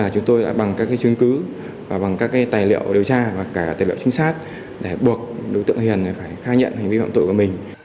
chúng tôi đã bằng các chứng cứ và bằng các tài liệu điều tra và cả tài liệu trinh sát để buộc đối tượng hiền phải khai nhận hành vi phạm tội của mình